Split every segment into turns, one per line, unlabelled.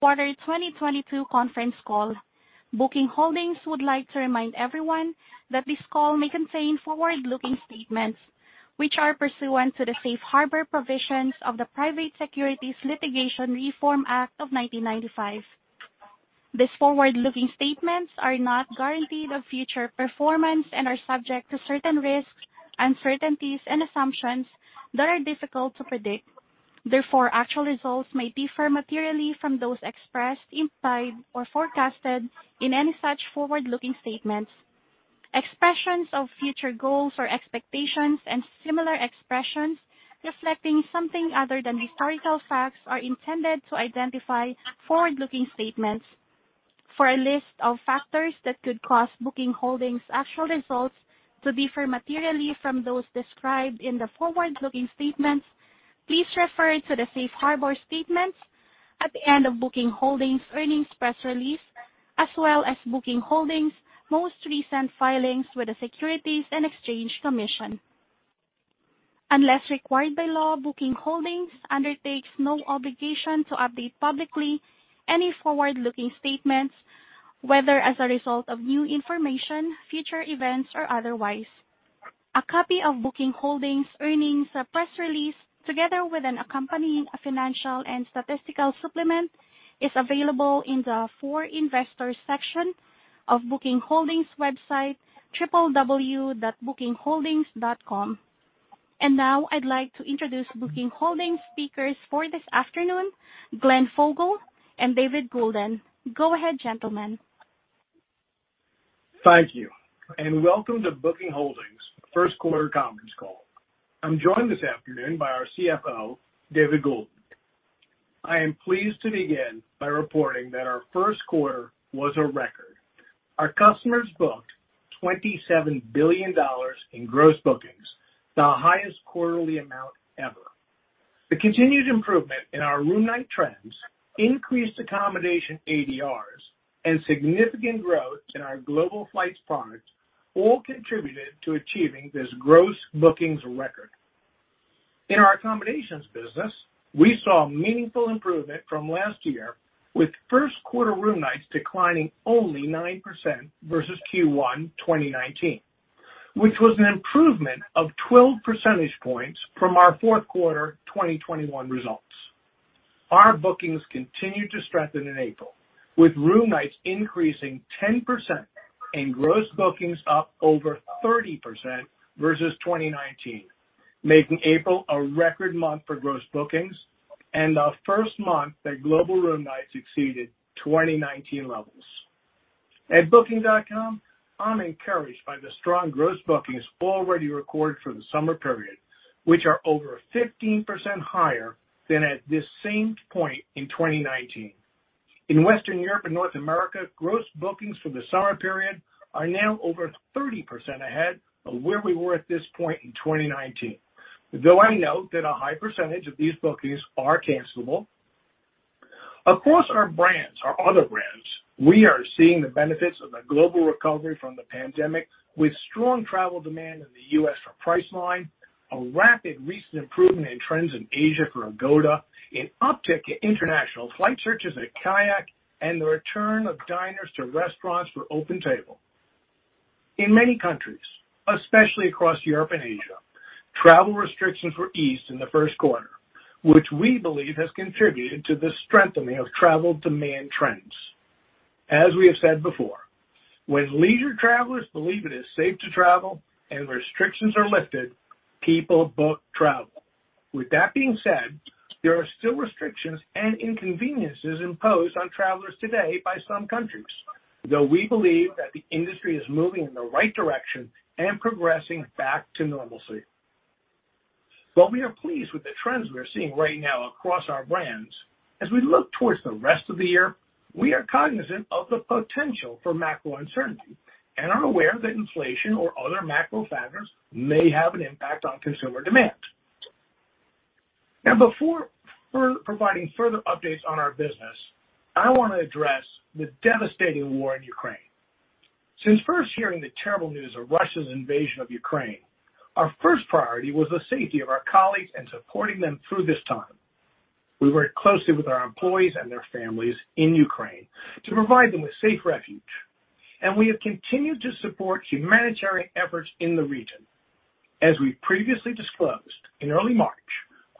Quarter 2022 conference call. Booking Holdings would like to remind everyone that this call may contain forward-looking statements which are pursuant to the safe harbor provisions of the Private Securities Litigation Reform Act of 1995. These forward-looking statements are not guarantees of future performance and are subject to certain risks, uncertainties, and assumptions that are difficult to predict. Therefore, actual results may differ materially from those expressed, implied, or forecasted in any such forward-looking statements. Expressions of future goals or expectations and similar expressions reflecting something other than historical facts are intended to identify forward-looking statements. For a list of factors that could cause Booking Holdings actual results to differ materially from those described in the forward-looking statements, please refer to the safe harbor statements at the end of Booking Holdings earnings press release, as well as Booking Holdings most recent filings with the Securities and Exchange Commission. Unless required by law, Booking Holdings undertakes no obligation to update publicly any forward-looking statements, whether as a result of new information, future events, or otherwise. A copy of Booking Holdings earnings press release, together with an accompanying financial and statistical supplement, is available in the For Investors section of Booking Holdings website, www.bookingholdings.com. Now I'd like to introduce Booking Holdings speakers for this afternoon, Glenn Fogel and David Goulden. Go ahead, gentlemen.
Thank you, and welcome to Booking Holdings first quarter conference call. I'm joined this afternoon by our CFO, David Goulden. I am pleased to begin by reporting that our first quarter was a record. Our customers booked $27 billion in gross bookings, the highest quarterly amount ever. The continued improvement in our room night trends, increased accommodation ADRs, and significant growth in our global flight products all contributed to achieving this gross bookings record. In our accommodations business, we saw meaningful improvement from last year, with first quarter room nights declining only 9% versus Q1 2019, which was an improvement of 12 percentage points from our fourth quarter 2021 results. Our bookings continued to strengthen in April, with room nights increasing 10% and gross bookings up over 30% versus 2019, making April a record month for gross bookings and the first month that global room nights exceeded 2019 levels. At Booking.com, I'm encouraged by the strong gross bookings already recorded for the summer period, which are over 15% higher than at this same point in 2019. In Western Europe and North America, gross bookings for the summer period are now over 30% ahead of where we were at this point in 2019, though I note that a high percentage of these bookings are cancelable. Across our brands, our other brands, we are seeing the benefits of a global recovery from the pandemic with strong travel demand in the U.S. for Priceline, a rapid recent improvement in trends in Asia for Agoda, an uptick in international flight searches at Kayak, and the return of diners to restaurants for OpenTable. In many countries, especially across Europe and Asia, travel restrictions were eased in the first quarter, which we believe has contributed to the strengthening of travel demand trends. As we have said before, when leisure travelers believe it is safe to travel and restrictions are lifted, people book travel. With that being said, there are still restrictions and inconveniences imposed on travelers today by some countries, though we believe that the industry is moving in the right direction and progressing back to normalcy. While we are pleased with the trends we are seeing right now across our brands, as we look towards the rest of the year, we are cognizant of the potential for macro uncertainty and are aware that inflation or other macro factors may have an impact on consumer demand. Now before providing further updates on our business, I wanna address the devastating war in Ukraine. Since first hearing the terrible news of Russia's invasion of Ukraine, our first priority was the safety of our colleagues and supporting them through this time. We worked closely with our employees and their families in Ukraine to provide them with safe refuge, and we have continued to support humanitarian efforts in the region. As we previously disclosed, in early March,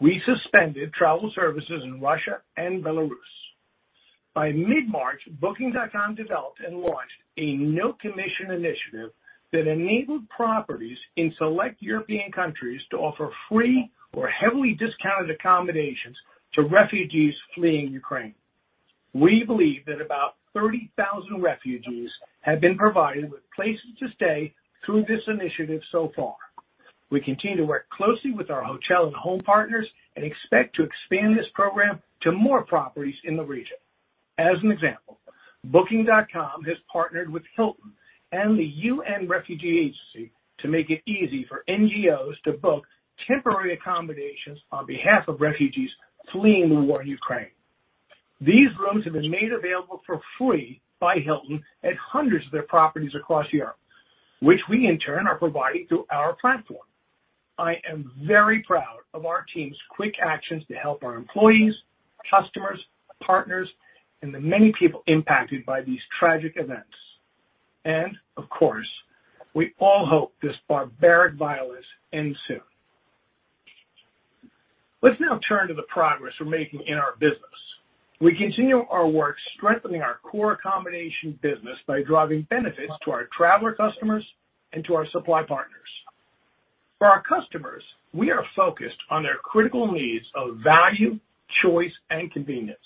we suspended travel services in Russia and Belarus. By mid-March, Booking.com developed and launched a no-commission initiative that enabled properties in select European countries to offer free or heavily discounted accommodations to refugees fleeing Ukraine. We believe that about 30,000 refugees have been provided with places to stay through this initiative so far. We continue to work closely with our hotel and home partners and expect to expand this program to more properties in the region. As an example, Booking.com has partnered with Hilton and the UN Refugee Agency to make it easy for NGOs to book temporary accommodations on behalf of refugees fleeing the war in Ukraine. These rooms have been made available for free by Hilton at hundreds of their properties across Europe, which we in turn are providing through our platform. I am very proud of our team's quick actions to help our employees, customers, partners, and the many people impacted by these tragic events. Of course, we all hope this barbaric violence ends soon. Let's now turn to the progress we're making in our business. We continue our work strengthening our core accommodation business by driving benefits to our traveler customers and to our supply partners. For our customers, we are focused on their critical needs of value, choice, and convenience.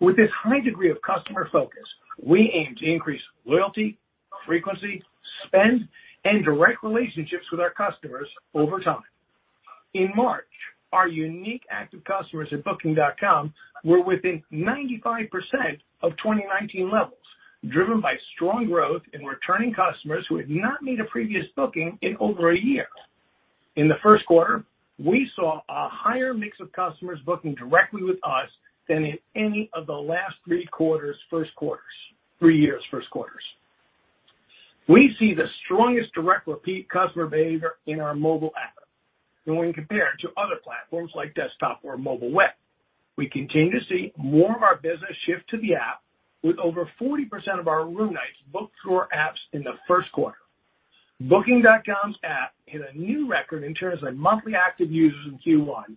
With this high degree of customer focus, we aim to increase loyalty, frequency, spend, and direct relationships with our customers over time. In March, our unique active customers at Booking.com were within 95% of 2019 levels, driven by strong growth in returning customers who had not made a previous booking in over a year. In the first quarter, we saw a higher mix of customers booking directly with us than in any of the last three years first quarters. We see the strongest direct repeat customer behavior in our mobile app when compared to other platforms like desktop or mobile web. We continue to see more of our business shift to the app with over 40% of our room nights booked through our apps in the first quarter. Booking.com's app hit a new record in terms of monthly active users in Q1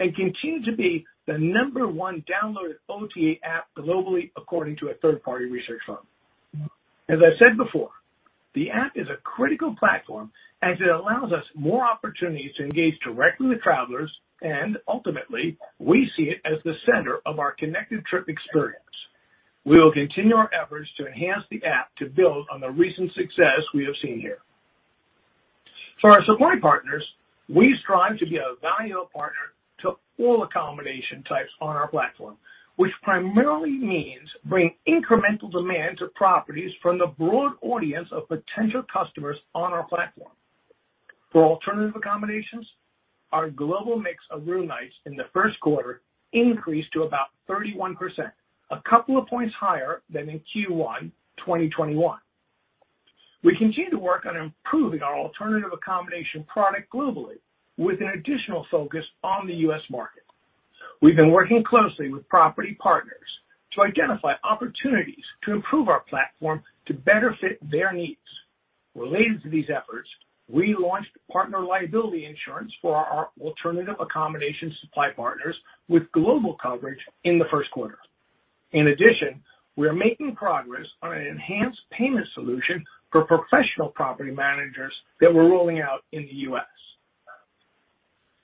and continue to be the number one downloaded OTA app globally, according to a third-party research firm. As I said before, the app is a critical platform as it allows us more opportunities to engage directly with travelers and ultimately we see it as the center of our Connected Trip experience. We will continue our efforts to enhance the app to build on the recent success we have seen here. For our supply partners, we strive to be a valuable partner to all accommodation types on our platform, which primarily means bringing incremental demand to properties from the broad audience of potential customers on our platform. For alternative accommodations, our global mix of room nights in the first quarter increased to about 31%, a couple of points higher than in Q1 2021. We continue to work on improving our alternative accommodation product globally with an additional focus on the U.S. market. We've been working closely with property partners to identify opportunities to improve our platform to better fit their needs. Related to these efforts, we launched partner liability insurance for our alternative accommodation supply partners with global coverage in the first quarter. In addition, we are making progress on an enhanced payment solution for professional property managers that we're rolling out in the U.S..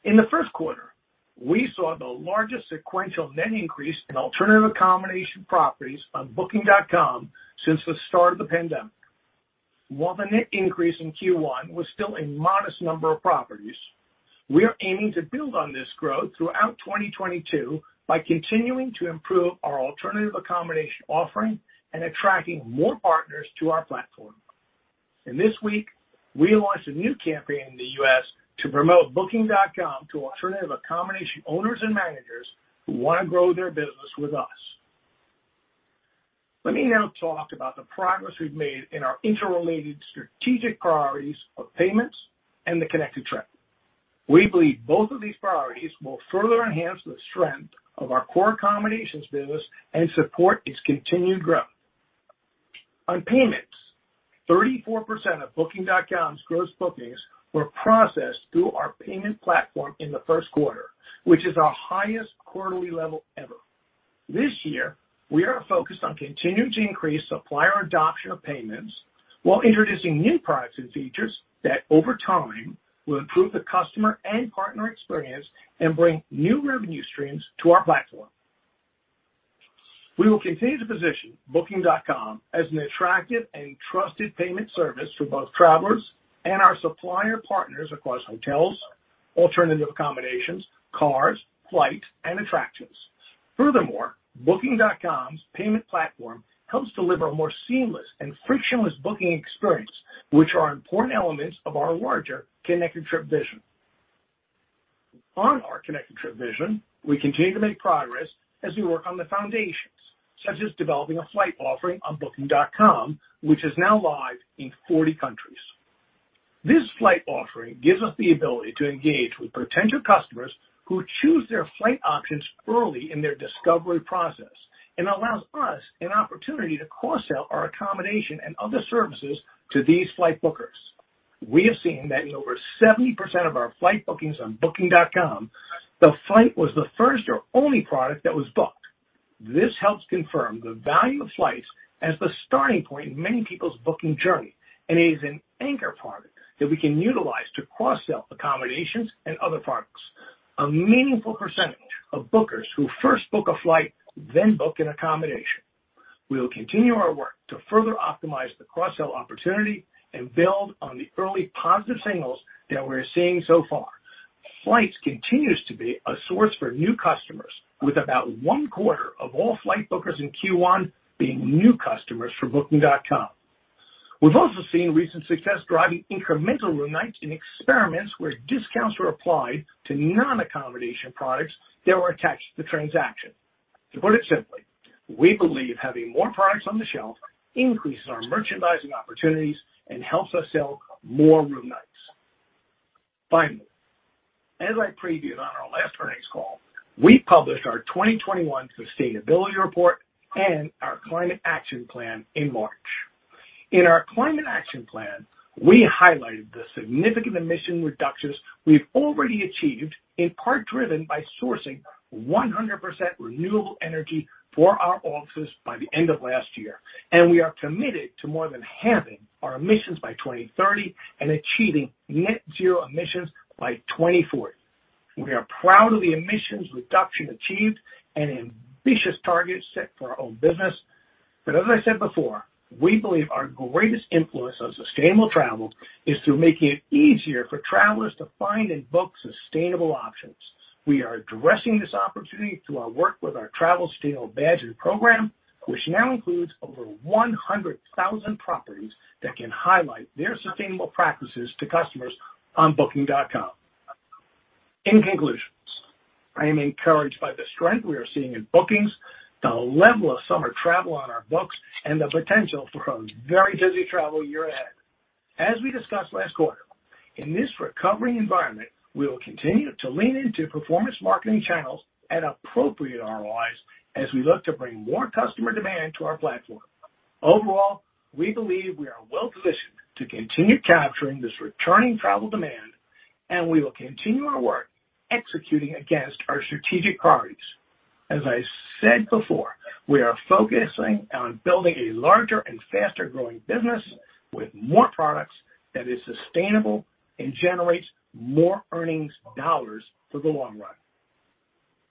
In the first quarter, we saw the largest sequential net increase in alternative accommodation properties on Booking.com since the start of the pandemic. While the net increase in Q1 was still a modest number of properties, we are aiming to build on this growth throughout 2022 by continuing to improve our alternative accommodation offering and attracting more partners to our platform. This week, we launched a new campaign in the U.S. to promote Booking.com to alternative accommodation owners and managers who wanna grow their business with us. Let me now talk about the progress we've made in our interrelated strategic priorities of payments and the Connected Trip. We believe both of these priorities will further enhance the strength of our core accommodations business and support its continued growth. On payments, 34% of Booking.com's gross bookings were processed through our payment platform in the first quarter, which is our highest quarterly level ever. This year, we are focused on continuing to increase supplier adoption of payments while introducing new products and features that over time will improve the customer and partner experience and bring new revenue streams to our platform. We will continue to position Booking.com as an attractive and trusted payment service for both travelers and our supplier partners across hotels, alternative accommodations, cars, flights, and attractions. Furthermore, Booking.com's payment platform helps deliver a more seamless and frictionless booking experience, which are important elements of our larger Connected Trip vision. On our Connected Trip vision, we continue to make progress as we work on the foundations, such as developing a flight offering on Booking.com, which is now live in 40 countries. This flight offering gives us the ability to engage with potential customers who choose their flight options early in their discovery process and allows us an opportunity to cross-sell our accommodation and other services to these flight bookers. We have seen that in over 70% of our flight bookings on Booking.com, the flight was the first or only product that was booked. This helps confirm the value of flights as the starting point in many people's booking journey and is an anchor product that we can utilize to cross-sell accommodations and other products. A meaningful percentage of bookers who first book a flight then book an accommodation. We will continue our work to further optimize the cross-sell opportunity and build on the early positive signals that we're seeing so far. Flights continues to be a source for new customers with about one quarter of all flight bookers in Q1 being new customers for Booking.com. We've also seen recent success driving incremental room nights in experiments where discounts were applied to non-accommodation products that were attached to the transaction. To put it simply. We believe having more products on the shelf increases our merchandising opportunities and helps us sell more room nights. Finally, as I previewed on our last earnings call, we published our 2021 sustainability report and our climate action plan in March. In our climate action plan, we highlighted the significant emission reductions we've already achieved, in part driven by sourcing 100% renewable energy for our offices by the end of last year. We are committed to more than halving our emissions by 2030 and achieving net zero emissions by 2040. We are proud of the emissions reduction achieved and ambitious targets set for our own business. As I said before, we believe our greatest influence on sustainable travel is through making it easier for travelers to find and book sustainable options. We are addressing this opportunity through our work with our Travel Sustainable program, which now includes over 100,000 properties that can highlight their sustainable practices to customers on Booking.com. In conclusion, I am encouraged by the strength we are seeing in bookings, the level of summer travel on our books, and the potential for a very busy travel year ahead. As we discussed last quarter, in this recovery environment, we will continue to lean into performance marketing channels at appropriate ROIs as we look to bring more customer demand to our platform. Overall, we believe we are well-positioned to continue capturing this returning travel demand, and we will continue our work executing against our strategic priorities. As I said before, we are focusing on building a larger and faster-growing business with more products that is sustainable and generates more earnings dollars for the long run.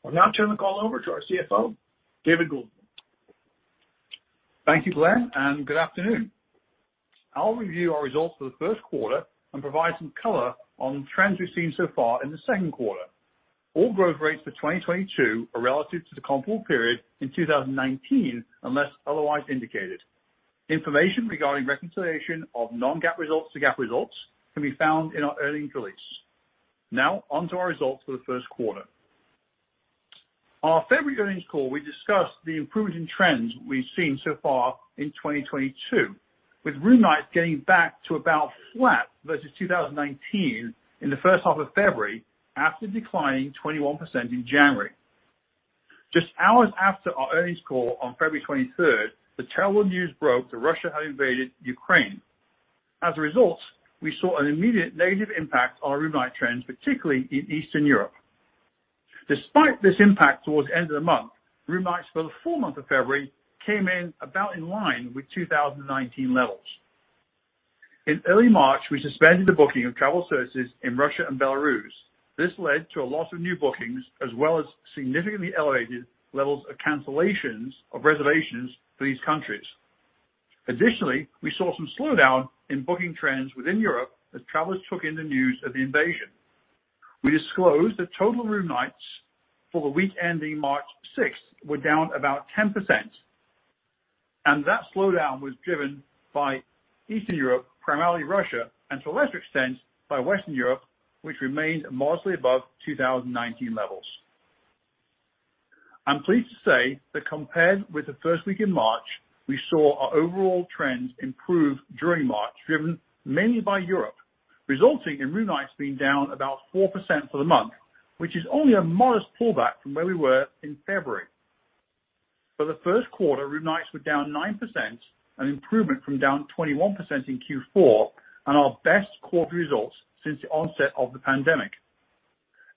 I'll now turn the call over to our CFO, David Goulden.
Thank you, Glenn, and good afternoon. I'll review our results for the first quarter and provide some color on trends we've seen so far in the second quarter. All growth rates for 2022 are relative to the comparable period in 2019 unless otherwise indicated. Information regarding reconciliation of non-GAAP results to GAAP results can be found in our earnings release. Now on to our results for the first quarter. On our February earnings call, we discussed the improvement in trends we've seen so far in 2022, with room nights getting back to about flat versus 2019 in the first half of February after declining 21% in January. Just hours after our earnings call on February 23rd, the terrible news broke that Russia had invaded Ukraine. As a result, we saw an immediate negative impact on room night trends, particularly in Eastern Europe. Despite this impact towards the end of the month, room nights for the full month of February came in about in line with 2019 levels. In early March, we suspended the booking of travel services in Russia and Belarus. This led to a loss of new bookings as well as significantly elevated levels of cancellations of reservations for these countries. Additionally, we saw some slowdown in booking trends within Europe as travelers took in the news of the invasion. We disclosed that total room nights for the week ending March sixth were down about 10%, and that slowdown was driven by Eastern Europe, primarily Russia, and to a lesser extent by Western Europe, which remained mostly above 2019 levels. I'm pleased to say that compared with the first week in March, we saw our overall trends improve during March, driven mainly by Europe, resulting in room nights being down about 4% for the month, which is only a modest pullback from where we were in February. For the first quarter, room nights were down 9%, an improvement from down 21% in Q4, and our best quarter results since the onset of the pandemic.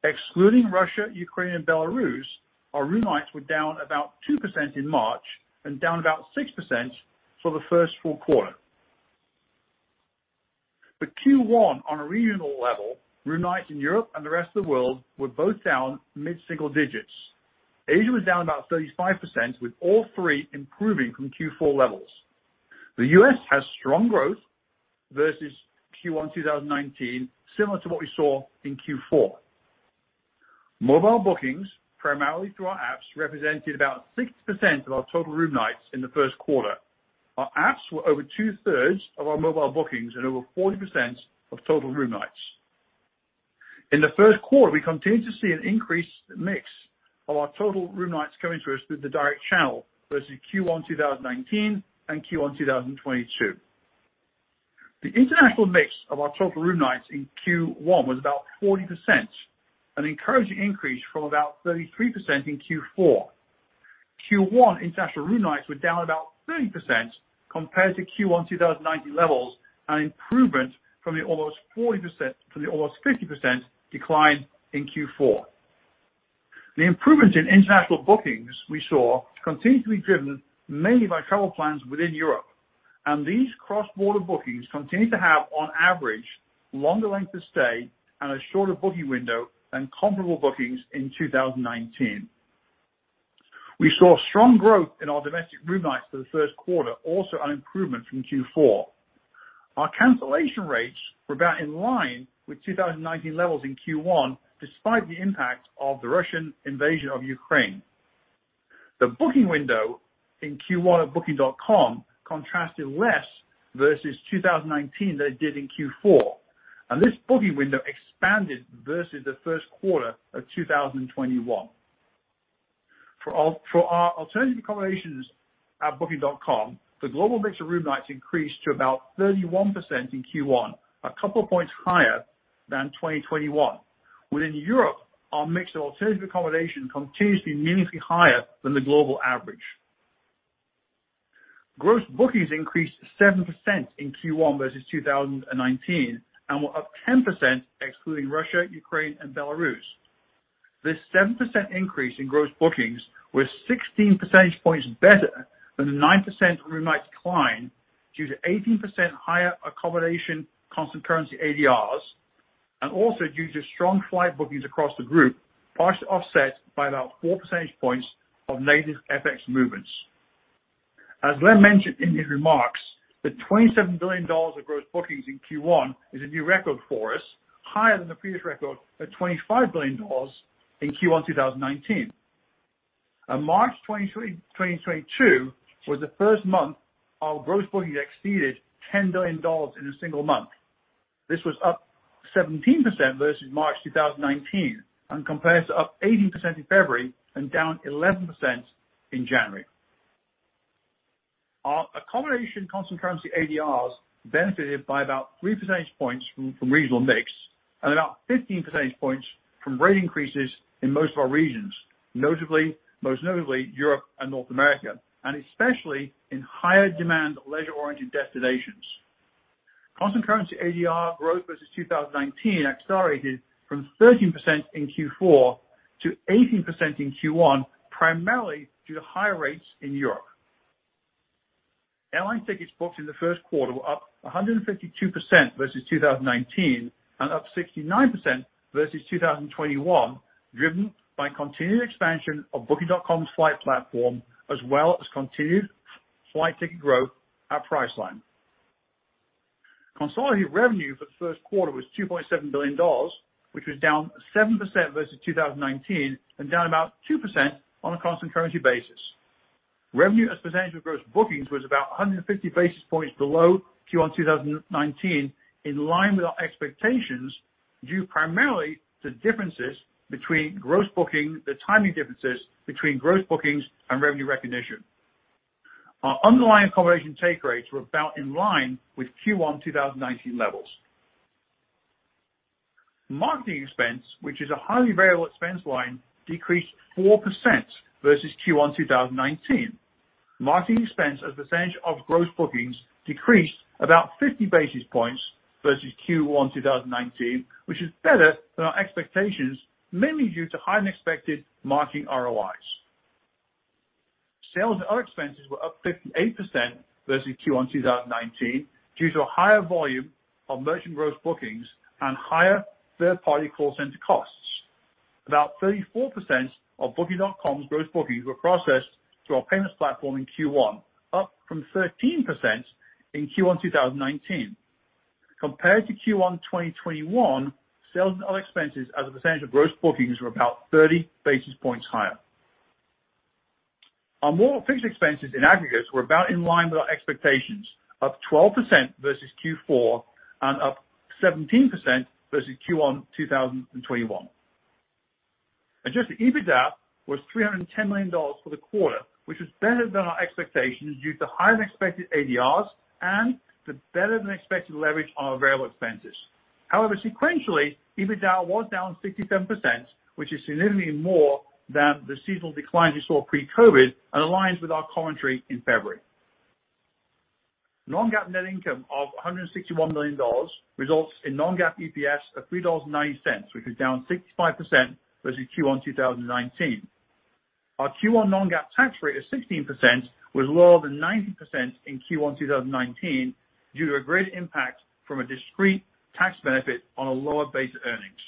Excluding Russia, Ukraine, and Belarus, our room nights were down about 2% in March and down about 6% for the first full quarter. For Q1 on a regional level, room nights in Europe and the rest of the world were both down mid-single digits. Asia was down about 35%, with all three improving from Q4 levels. The U.S. has strong growth versus Q1 2019, similar to what we saw in Q4. Mobile bookings, primarily through our apps, represented about 60% of our total room nights in the first quarter. Our apps were over two-thirds of our mobile bookings and over 40% of total room nights. In the first quarter, we continued to see an increased mix of our total room nights coming to us through the direct channel versus Q1 2019 and Q1 2022. The international mix of our total room nights in Q1 was about 40%, an encouraging increase from about 33% in Q4. Q1 international room nights were down about 30% compared to Q1 2019 levels, an improvement from the almost 50% decline in Q4. The improvements in international bookings we saw continued to be driven mainly by travel plans within Europe, and these cross-border bookings continued to have, on average, longer length of stay and a shorter booking window than comparable bookings in 2019. We saw strong growth in our domestic room nights for the first quarter, also an improvement from Q4. Our cancellation rates were about in line with 2019 levels in Q1, despite the impact of the Russian invasion of Ukraine. The booking window in Q1 at Booking.com contrasted less versus 2019 than it did in Q4. This booking window expanded versus the first quarter of 2021. For our alternative accommodations at Booking.com, the global mix of room nights increased to about 31% in Q1, a couple points higher than 2021. Within Europe, our mix of alternative accommodation continues to be meaningfully higher than the global average. Gross bookings increased 7% in Q1 versus 2019, and were up 10% excluding Russia, Ukraine, and Belarus. This 7% increase in gross bookings was 16 percentage points better than the 9% room nights decline due to 18% higher accommodation constant currency ADRs and also due to strong flight bookings across the group, partially offset by about 4 percentage points of negative FX movements. As Glenn mentioned in his remarks, the $27 billion of gross bookings in Q1 is a new record for us, higher than the previous record of $25 billion in Q1 2019. March 23, 2022 was the first month our gross bookings exceeded $10 billion in a single month. This was up 17% versus March 2019 and compares to up 18% in February and down 11% in January. Our accommodation constant currency ADRs benefited by about 3 percentage points from regional mix and about 15 percentage points from rate increases in most of our regions, most notably Europe and North America, and especially in higher demand leisure-oriented destinations. Constant currency ADR growth versus 2019 accelerated from 13% in Q4 to 18% in Q1, primarily due to higher rates in Europe. Airline tickets booked in the first quarter were up 152% versus 2019 and up 69% versus 2021, driven by continued expansion of Booking.com's flight platform, as well as continued flight ticket growth at Priceline. Consolidated revenue for the first quarter was $2.7 billion, which was down 7% versus 2019 and down about 2% on a constant currency basis. Revenue as a percentage of gross bookings was about 150 basis points below Q1 2019, in line with our expectations, due primarily to the timing differences between gross bookings and revenue recognition. Our underlying accommodation take rates were about in line with Q1 2019 levels. Marketing expense, which is a highly variable expense line, decreased 4% versus Q1 2019. Marketing expense as a percentage of gross bookings decreased about 50 basis points versus Q1 2019, which is better than our expectations, mainly due to higher-than-expected marketing ROIs. Sales and other expenses were up 58% versus Q1 2019 due to a higher volume of merchant gross bookings and higher third-party call center costs. About 34% of Booking.com's gross bookings were processed through our payments platform in Q1, up from 13% in Q1 2019. Compared to Q1 2021, sales and other expenses as a percentage of gross bookings were about 30 basis points higher. Our more fixed expenses in aggregate were about in line with our expectations, up 12% versus Q4 and up 17% versus Q1 2021. Adjusted EBITDA was $310 million for the quarter, which was better than our expectations due to higher-than-expected ADRs and the better-than-expected leverage on our variable expenses. However, sequentially, EBITDA was down 67%, which is significantly more than the seasonal declines we saw pre-COVID and aligns with our commentary in February. non-GAAP net income of $161 million results in non-GAAP EPS of $3.90, which is down 65% versus Q1 2019. Our Q1 non-GAAP tax rate of 16% was lower than 19% in Q1 2019 due to a greater impact from a discrete tax benefit on a lower base of earnings.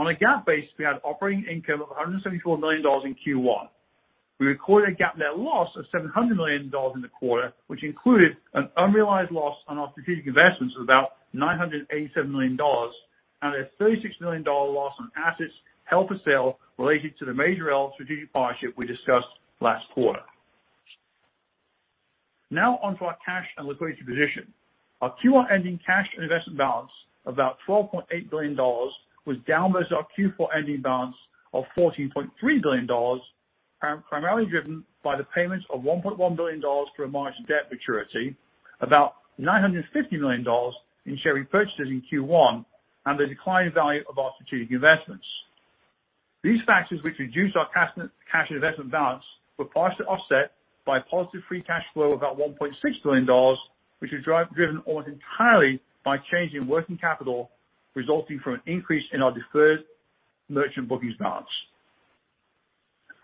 On a GAAP basis, we had operating income of $174 million in Q1. We recorded a GAAP net loss of $700 million in the quarter, which included an unrealized loss on our strategic investments of about $987 million and a $36 million loss on assets held for sale related to the Majorel strategic partnership we discussed last quarter. Now on to our cash and liquidity position. Our Q1 ending cash and investment balance of about $12.8 billion was down versus our Q4 ending balance of $14.3 billion, primarily driven by the payments of $1.1 billion to a March debt maturity, about $950 million in share repurchases in Q1, and the decline in value of our strategic investments. These factors which reduced our cash investment balance were partially offset by positive free cash flow of about $1.6 billion, which was driven almost entirely by change in working capital, resulting from an increase in our deferred merchant bookings balance.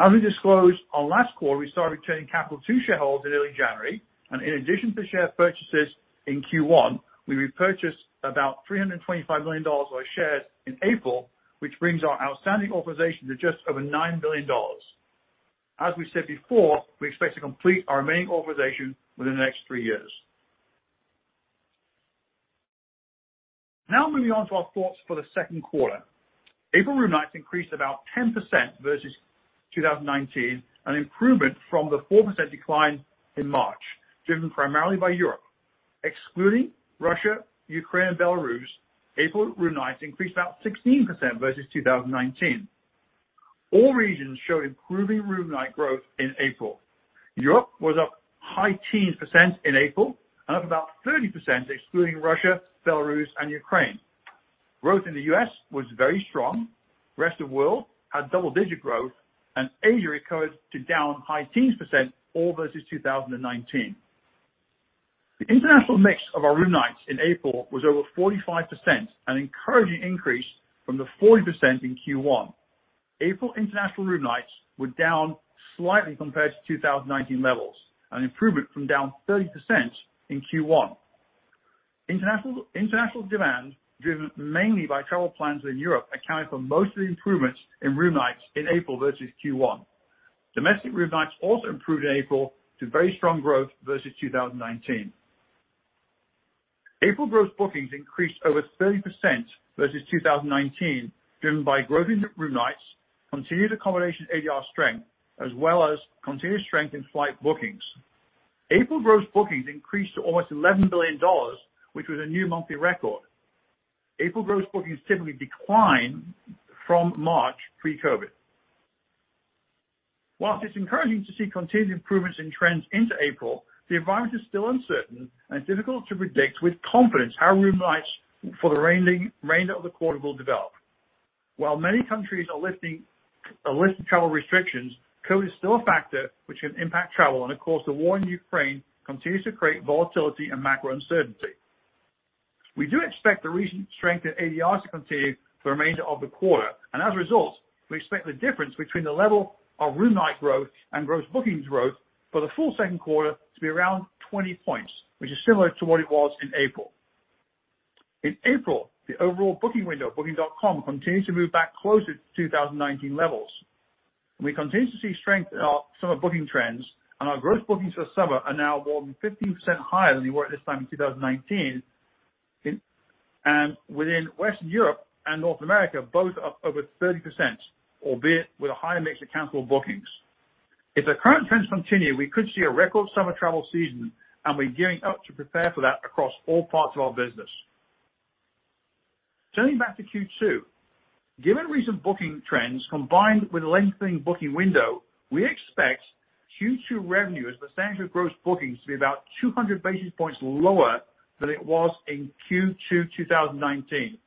As we disclosed on last quarter, we started returning capital to shareholders in early January, and in addition to share purchases in Q1, we repurchased about $325 million of our shares in April, which brings our outstanding authorization to just over $9 billion. As we said before, we expect to complete our remaining authorization within the next three years. Now moving on to our thoughts for the second quarter. April room nights increased about 10% versus 2019, an improvement from the 4% decline in March, driven primarily by Europe. Excluding Russia, Ukraine, and Belarus, April room nights increased about 16% versus 2019. All regions showed improving room night growth in April. Europe was up high teens% in April and up about 30% excluding Russia, Belarus, and Ukraine. Growth in the U.S. was very strong. Rest of world had double-digit growth, and Asia recovered to down high teens% all versus 2019. The international mix of our room nights in April was over 45%, an encouraging increase from the 40% in Q1. April international room nights were down slightly compared to 2019 levels, an improvement from down 30% in Q1. International, international demand, driven mainly by travel plans in Europe, accounted for most of the improvements in room nights in April versus Q1. Domestic room nights also improved in April to very strong growth versus 2019. April gross bookings increased over 30% versus 2019, driven by growth in room nights, continued accommodation ADR strength, as well as continued strength in flight bookings. April gross bookings increased to almost $11 billion, which was a new monthly record. April gross bookings typically decline from March pre-COVID. While it's encouraging to see continued improvements in trends into April, the environment is still uncertain and difficult to predict with confidence how room nights for the remainder of the quarter will develop. While many countries are lifting travel restrictions, COVID is still a factor which can impact travel. Of course, the war in Ukraine continues to create volatility and macro uncertainty. We do expect the recent strength in ADR to continue for the remainder of the quarter, and as a result, we expect the difference between the level of room night growth and gross bookings growth for the full second quarter to be around 20 points, which is similar to what it was in April. In April, the overall booking window of Booking.com continues to move back closer to 2019 levels. We continue to see strength in our summer booking trends, and our gross bookings for summer are now more than 15% higher than they were at this time in 2019. Within Western Europe and North America, both up over 30%, albeit with a higher mix of cancelable bookings. If the current trends continue, we could see a record summer travel season, and we're gearing up to prepare for that across all parts of our business. Turning back to Q2. Given recent booking trends, combined with a lengthening booking window, we expect Q2 revenue as a percentage of gross bookings to be about 200 basis points lower than it was in Q2 2019.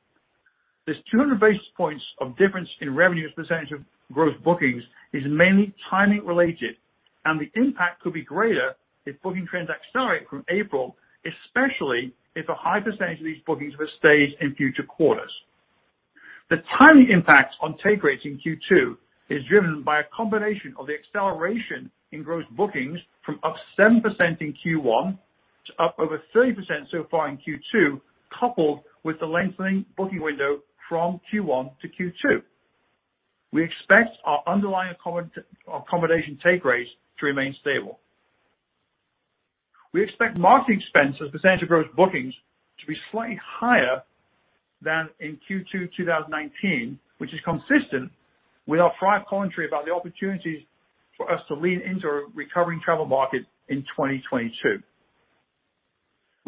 This 200 basis points of difference in revenue as a percentage of gross bookings is mainly timing related, and the impact could be greater if booking trends accelerate from April, especially if a high percentage of these bookings will stay in future quarters. The timing impact on take rates in Q2 is driven by a combination of the acceleration in gross bookings from up 7% in Q1 to up over 30% so far in Q2, coupled with the lengthening booking window from Q1 to Q2. We expect our underlying accommodation take rates to remain stable. We expect marketing expense as a percentage of gross bookings to be slightly higher than in Q2 2019, which is consistent with our prior commentary about the opportunities for us to lean into a recovering travel market in 2022.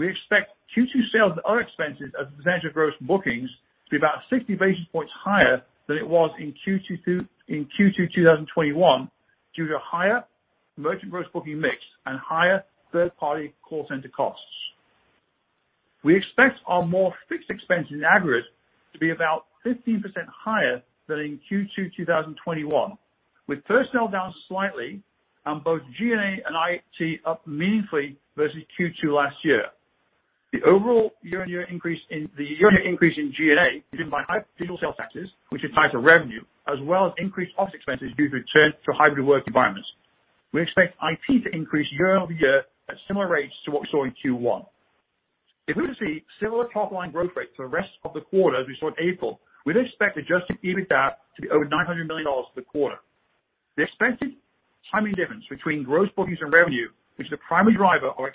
We expect Q2 sales and other expenses as a percentage of gross bookings to be about 60 basis points higher than it was in Q2 2021 due to higher merchant gross booking mix and higher third-party call center costs. We expect our more fixed expenses in aggregate to be about 15% higher than in Q2 2021, with personnel down slightly and both G&A and IT up meaningfully versus Q2 last year. The overall year-on-year increase in G&A is driven by high digital sales taxes, which is tied to revenue, as well as increased office expenses due to return to hybrid work environments. We expect IT to increase year-over-year at similar rates to what we saw in Q1. If we were to see similar top-line growth rates for the rest of the quarter as we saw in April, we'd expect adjusted EBITDA to be over $900 million for the quarter. The expected timing difference between gross bookings and revenue, which is the primary driver of our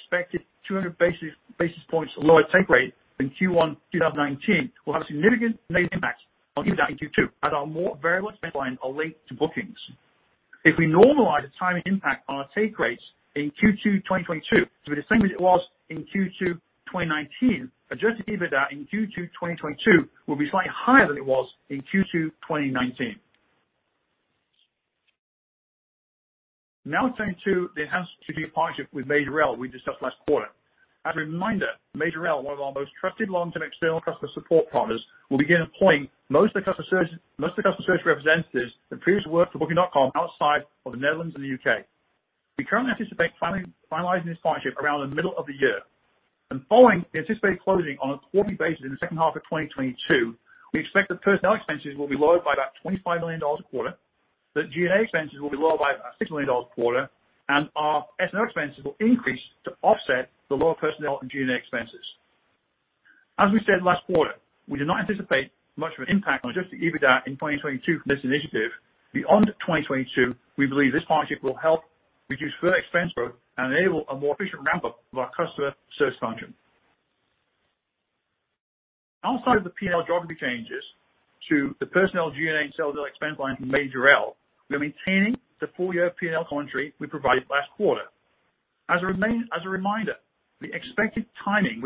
expected 200 basis points lower take rate than Q1 2019, will have a significant negative impact on EBITDA in Q2, as our more variable expense lines are linked to bookings. If we normalize the timing impact on our take rates in Q2 2022 to be the same as it was in Q2 2019, adjusted EBITDA in Q2 2022 will be slightly higher than it was in Q2 2019. Now turning to the strategic partnership with Majorel we discussed last quarter. As a reminder, Majorel, one of our most trusted long-term external customer support partners, will begin employing most of the customer service representatives that previously worked for Booking.com outside of the Netherlands and the U.K. We currently anticipate finalizing this partnership around the middle of the year. Following the anticipated closing on a quarterly basis in the second half of 2022, we expect that personnel expenses will be lower by about $25 million a quarter, that G&A expenses will be lower by about $6 million a quarter, and our S&A expenses will increase to offset the lower personnel and G&A expenses. As we said last quarter, we do not anticipate much of an impact on adjusted EBITDA in 2022 from this initiative. Beyond 2022, we believe this partnership will help reduce further expense growth and enable a more efficient ramp-up of our customer service function. Outside of the P&L geographic changes to the personnel, G&A, sales and expense line from Majorel, we're maintaining the full year P&L commentary we provided last quarter. As a reminder, we expect timing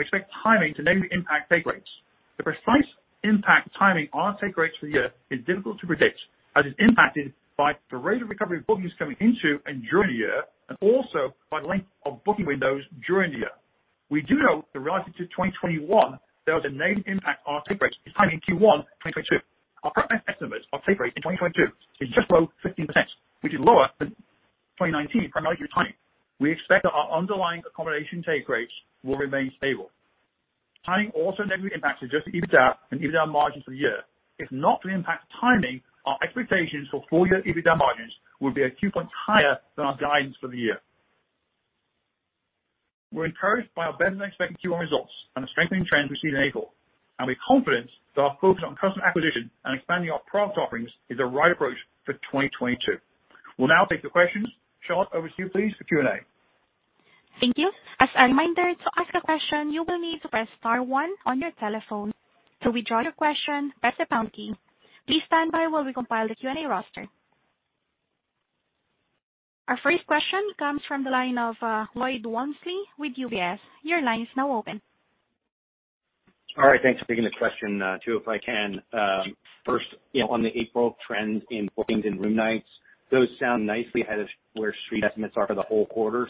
to negatively impact take rates. The precise impact timing on our take rates for the year is difficult to predict as it's impacted by the rate of recovery of bookings coming into and during the year and also by the length of booking windows during the year. We do know that relative to 2021 there was a negative impact on our take rates timing Q1 2022. Our current estimates of take rates in 2022 is just below 15%, which is lower than 2019 primarily due to timing. We expect that our underlying accommodation take rates will remain stable. Timing also negatively impacts adjusted EBITDA and EBITDA margins for the year. If not for the impact timing, our expectations for full year EBITDA margins would be a few points higher than our guidance for the year. We're encouraged by our better than expected Q1 results and the strengthening trends we see in April, and we're confident that our focus on customer acquisition and expanding our product offerings is the right approach for 2022. We'll now take your questions. Charlotte, over to you please for Q&A.
Thank you. As a reminder, to ask a question, you will need to press star one on your telephone. To withdraw your question, press the pound key. Please stand by while we compile the Q&A roster. Our first question comes from the line of Lloyd Walmsley with UBS. Your line is now open.
All right, thanks. Taking the question, two if I can. First, you know, on the April trends in bookings and room nights, those sound nicely ahead of where Street estimates are for the whole quarter.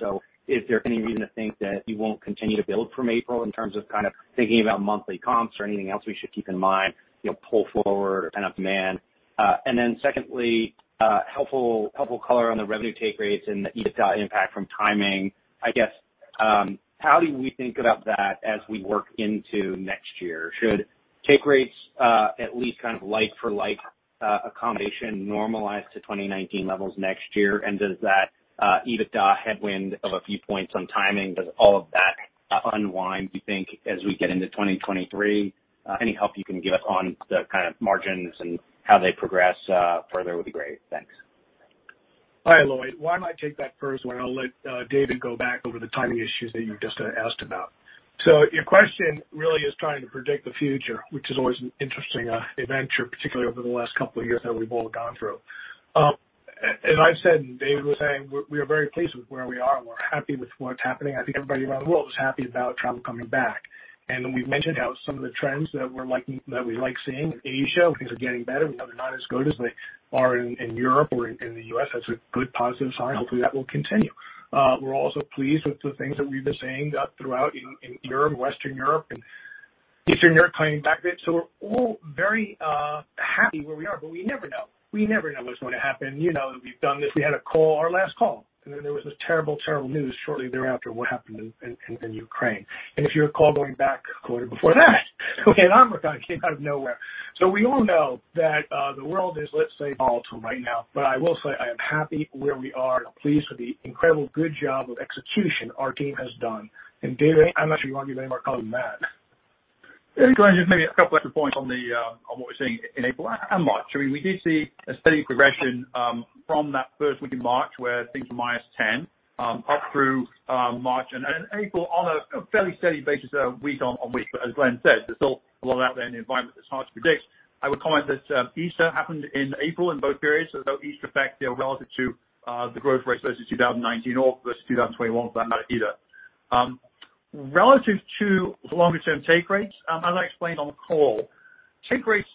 Is there any reason to think that you won't continue to build from April in terms of kind of thinking about monthly comps or anything else we should keep in mind, you know, pull forward or pent-up demand? Secondly, helpful color on the revenue take rates and the EBITDA impact from timing. I guess, how do we think about that as we work into next year? Should take rates, at least kind of like for like, accommodation normalize to 2019 levels next year? Does that EBITDA headwind of a few points on timing, does all of that unwind, do you think as we get into 2023? Any help you can give us on the kind of margins and how they progress further would be great. Thanks.
Hi, Lloyd. Why don't I take that first one? I'll let David go back over the timing issues that you just asked about. Your question really is trying to predict the future, which is always an interesting adventure, particularly over the last couple of years that we've all gone through. As I've said and David was saying, we are very pleased with where we are. We're happy with what's happening. I think everybody around the world is happy about travel coming back. We've mentioned how some of the trends that we like seeing in Asia, where things are getting better. We know they're not as good as they are in Europe or in the U.S. That's a good positive sign. Hopefully, that will continue. We're also pleased with the things that we've been saying throughout in Europe, Western Europe and Eastern Europe playing back a bit. We're all very happy where we are, but we never know. We never know what's going to happen. You know, we've done this. We had a call, our last call, and then there was this terrible news shortly thereafter what happened in Ukraine. If you recall going back a quarter before that when Omicron came out of nowhere. We all know that the world is, let's say, volatile right now. I will say I am happy where we are and I'm pleased with the incredible good job of execution our team has done. David, I'm not sure you want to do any more color than that.
Yeah. Glenn, just maybe a couple extra points on what we're seeing in April and March. I mean, we did see a steady progression from that first week in March where things were -10% up through March and April on a fairly steady basis, week-on-week. As Glenn said, there's still a lot out there in the environment that's hard to predict. I would comment that Easter happened in April in both periods, so Easter effect, you know, relative to the growth rates versus 2019 or versus 2021 for that matter either. Relative to the longer term take rates, as I explained on the call, take rates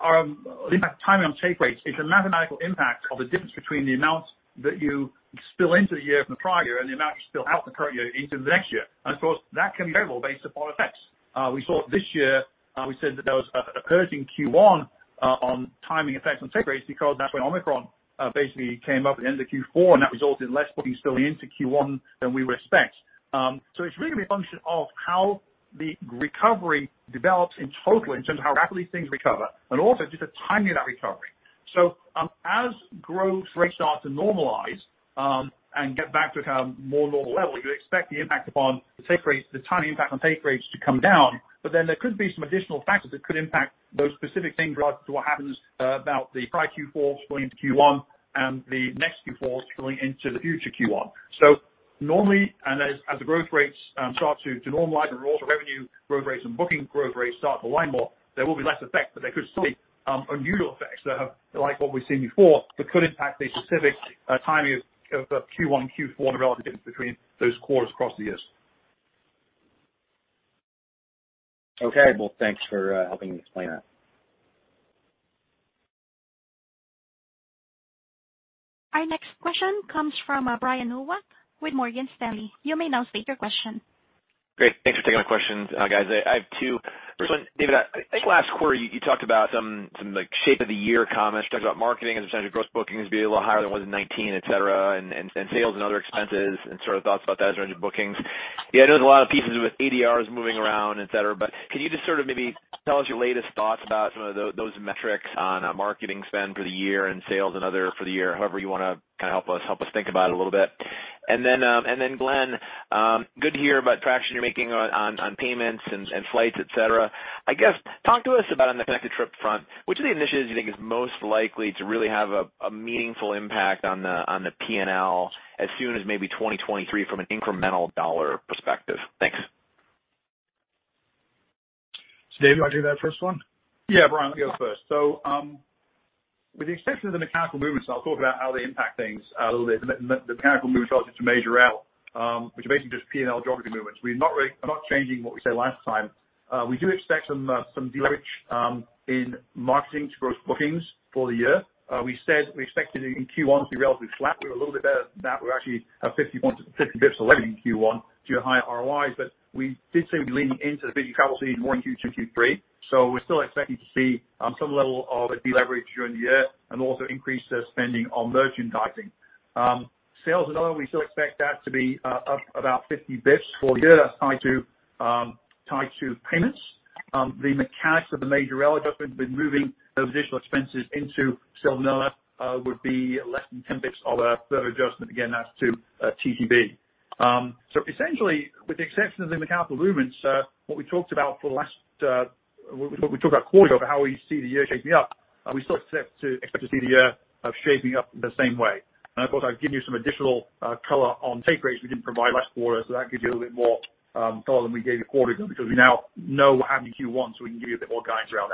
are, the impact timing on take rates is a mathematical impact of the difference between the amount that you spill into the year from the prior year and the amount you spill out the current year into the next year. Of course, that can be variable based upon effects. We saw it this year. We said that there was a purge in Q1 on timing effects on take rates because that's when Omicron basically came up at the end of Q4, and that resulted in less bookings spilling into Q1 than we would expect. It's really a function of how the recovery develops in total in terms of how rapidly things recover and also just the timing of that recovery. As growth rates start to normalize and get back to kind of more normal levels, you'd expect the impact upon the take rates, the timing impact on take rates to come down, but then there could be some additional factors that could impact those specific things relative to what happens about the prior Q4s going into Q1 and the next Q4s going into the future Q1. Normally, as the growth rates start to normalize and also revenue growth rates and booking growth rates start to align more, there will be less effect, but there could still be unusual effects like what we've seen before that could impact the specific timing of the Q1, Q4 and the relative difference between those quarters across the years.
Okay. Well, thanks for helping explain that.
Our next question comes from Brian Nowak with Morgan Stanley. You may now state your question.
Great. Thanks for taking my questions, guys. I have two. First one, David, I think last quarter you talked about some like shape of the year comments. You talked about marketing and percentage of gross bookings being a little higher than it was in 2019, et cetera, and sales and other expenses and sort of thoughts about that as earnings and bookings. Yeah, I know there's a lot of pieces with ADRs moving around, et cetera, but can you just sort of maybe tell us your latest thoughts about some of those metrics on marketing spend for the year and sales and other for the year, however you wanna kinda help us think about it a little bit? Then, Glenn, good to hear about traction you're making on payments and flights, et cetera. I guess, talk to us about on the Connected Trip front, which of the initiatives you think is most likely to really have a meaningful impact on the P&L as soon as maybe 2023 from an incremental dollar perspective? Thanks.
David, do you want to do that first one?
Yeah, Brian, let me go first. With the exception of the mechanical movements, I'll talk about how they impact things a little bit. The mechanical movements started to mature out, which are basically just P&L geography movements. We're not changing what we said last time. We do expect some deleverage in marketing to gross bookings for the year. We said we expected in Q1 to be relatively flat. We were a little bit better than that. We're actually at 50 basis points ahead in Q1 due to higher ROIs, but we did say we'd be leaning into the busy travel season more in Q2, Q3. We're still expecting to see some level of a deleverage during the year and also increase the spending on merchandising. Sales and other, we still expect that to be up about 50 basis points for the year. That's tied to payments. The mechanics of the major adjustment with moving those additional expenses into sales and other would be less than 10 bps of a further adjustment. Again, that's to TGB. Essentially, with the exception of the mechanical movements, what we talked about a quarter ago about how we see the year shaping up, we still expect to see the year shaping up the same way. Of course, I've given you some additional color on take rates we didn't provide last quarter, so that gives you a little bit more color than we gave a quarter ago because we now know what happened in Q1, so we can give you a bit more guidance around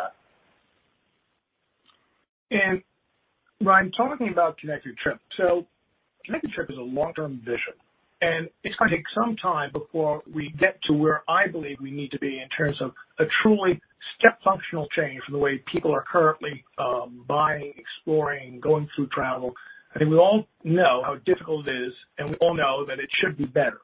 that.
Brian, talking about Connected Trip. Connected Trip is a long-term vision, and it's gonna take some time before we get to where I believe we need to be in terms of a truly step-function change from the way people are currently buying, exploring, going through travel. I think we all know how difficult it is, and we all know that it should be better.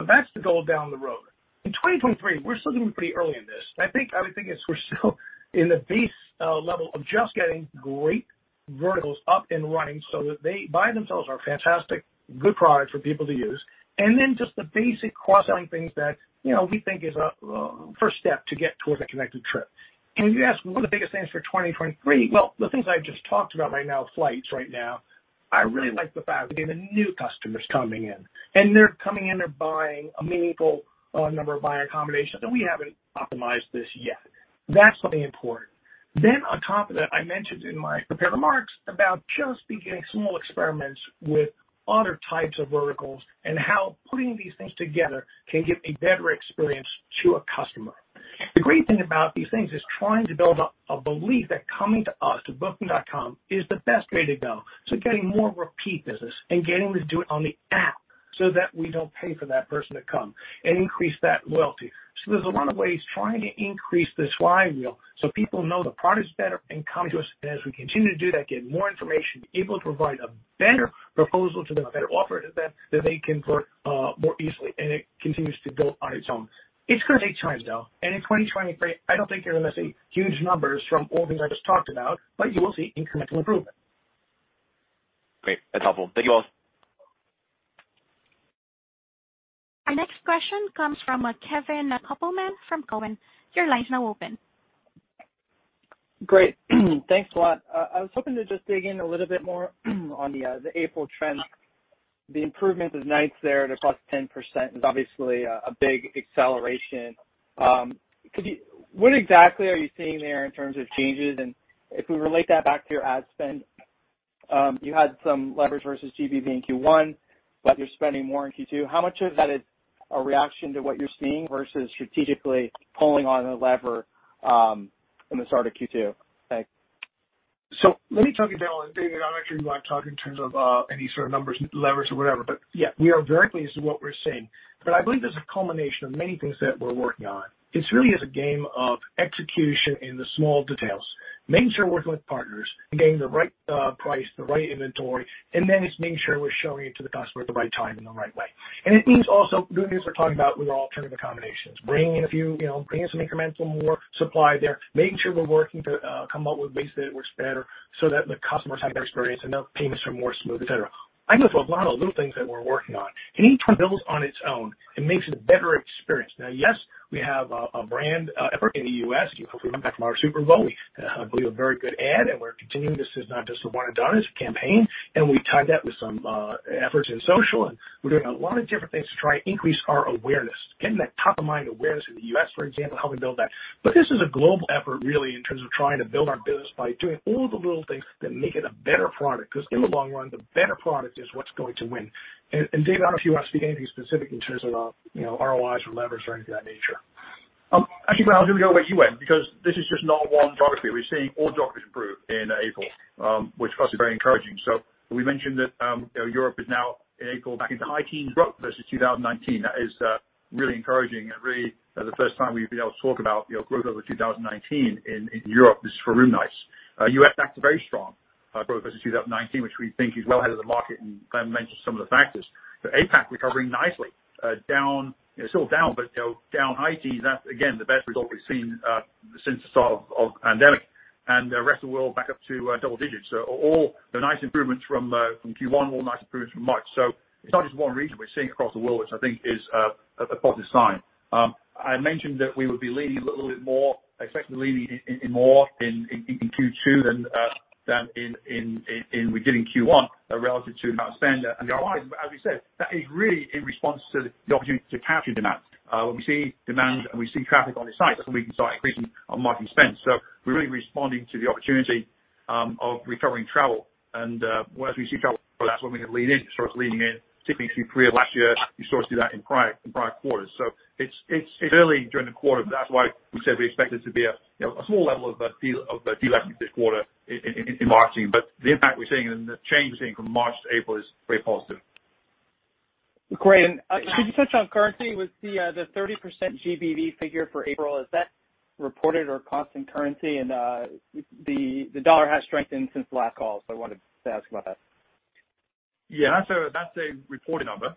That's the goal down the road. In 2023, we're still gonna be pretty early in this. I think we're still in the base level of just getting great verticals up and running so that they by themselves are fantastic, good product for people to use. Just the basic cross-selling things that, you know, we think is a first step to get towards a Connected Trip. You asked what are the biggest things for 2023? Well, the things I've just talked about right now, flights right now, I really like the fact that we have new customers coming in, and they're coming in and buying a meaningful number of buyer accommodations, and we haven't optimized this yet. That's something important. On top of that, I mentioned in my prepared remarks about just beginning small experiments with other types of verticals and how putting these things together can give a better experience to a customer. The great thing about these things is trying to build up a belief that coming to us, to Booking.com, is the best way to go. Getting more repeat business and getting to do it on the app so that we don't pay for that person to come and increase that loyalty. There's a lot of ways trying to increase this flywheel so people know the product is better and come to us. As we continue to do that, get more information, able to provide a better proposal to them, a better offer to them that they convert more easily and it continues to build on its own. It's gonna take time, though, and in 2023, I don't think you're gonna see huge numbers from all the things I just talked about, but you will see incremental improvement.
Great. That's helpful. Thank you all.
Our next question comes from Kevin Kopelman from Cowen. Your line is now open.
Great. Thanks a lot. I was hoping to just dig in a little bit more on the April trends. The improvement of nights there at a 10% is obviously a big acceleration. Could you, what exactly are you seeing there in terms of changes? If we relate that back to your ad spend, you had some leverage versus TGB in Q1, but you're spending more in Q2. How much of that is a reaction to what you're seeing versus strategically pulling on the lever in the start of Q2? Thanks.
Let me talk a bit, and Kevin, I'd actually like to talk in terms of any sort of numbers, levers or whatever. Yeah, we are very pleased with what we're seeing. I believe there's a culmination of many things that we're working on. It's really is a game of execution in the small details, making sure we're working with partners and getting the right price, the right inventory, and then it's making sure we're showing it to the customer at the right time in the right way. It means also doing these we're talking about with alternative accommodations, bringing in a few, you know, bringing some incremental more supply there, making sure we're working to come up with ways that it works better so that the customers have a better experience and the payments are more smooth, et cetera. I know there's a lot of little things that we're working on. Each one builds on its own and makes it a better experience. Now, yes, we have a brand effort in the U.S. You hopefully remember from our Super Bowl I believe a very good ad, and we're continuing this. This is not just a one and done. It's a campaign, and we tied that with some efforts in social, and we're doing a lot of different things to try and increase our awareness, getting that top of mind awareness in the U.S., for example, how we build that. This is a global effort really in terms of trying to build our business by doing all the little things that make it a better product. Because in the long run, the better product is what's going to win. David, I don't know if you want to speak anything specific in terms of, you know, ROIs or levers or anything of that nature.
Actually, Brian, I'll go where you went because this is just not one geography. We're seeing all geographies improve in April, which for us is very encouraging. We mentioned that, you know, Europe is now in April back into high teens growth versus 2019. That is, really encouraging and really, the first time we've been able to talk about, you know, growth over 2019 in Europe. This is for room nights. U.S., that's very strong growth versus 2019, which we think is well ahead of the market, and Glenn mentioned some of the factors. APAC recovering nicely, down, you know, still down, but you know, down high teens. That's again, the best result we've seen, since the start of pandemic. The rest of the world back up to double digits. All nice improvements from Q1, all nice improvements from March. It's not just one region we're seeing across the world, which I think is a positive sign. I mentioned that we would be leaning a little bit more in Q2 than in beginning Q1 relative to ad spend and ROIs. As we said, that is really in response to the opportunity to capture demand. When we see demand and we see traffic on the site, that's when we can start increasing our marketing spend. We're really responding to the opportunity of recovering travel. Once we see travel that's when we can lean in. We start leaning in, typically through last year, you sort of see that in prior quarters. It's early during the quarter. That's why we said we expect it to be, you know, a small level of deal activity this quarter in marketing. The impact we're seeing and the change we're seeing from March to April is very positive.
Great. Could you touch on currency with the 30% GBV figure for April? Is that reported or constant currency? The dollar has strengthened since the last call, so I wanted to ask about that.
That's a reported number.